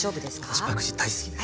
私パクチー大好きです。